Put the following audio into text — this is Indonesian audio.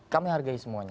kami hargai semuanya